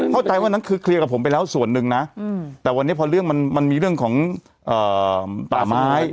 เข้าใจวันนั้นคือเคลียร์กับผมไปแล้วส่วนหนึ่งนะแต่วันนี้พอเรื่องมันมีเรื่องของป่าไม้